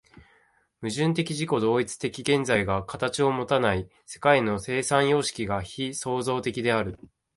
矛盾的自己同一的現在が形をもたない世界の生産様式が非創造的である。